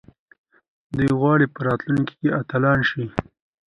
دوی غواړي په راتلونکي کې اتلان شي.